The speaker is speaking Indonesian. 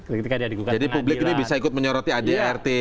jadi publik ini bisa ikut menyoroti adart